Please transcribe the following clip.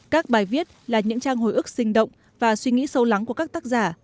các bài viết là những trang hồi ức sinh động và suy nghĩ sâu lắng của các tác giả